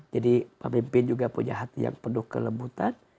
jadi pemimpin juga punya hati yang penuh kelembutan